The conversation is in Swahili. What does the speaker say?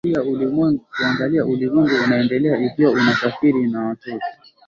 kuangalia ulimwengu unaendelea Ikiwa unasafiri na watoto